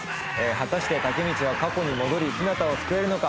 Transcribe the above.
果たしてタケミチは過去に戻りヒナタを救えるのか？